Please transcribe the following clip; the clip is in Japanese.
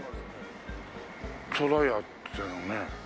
虎屋っていうのね。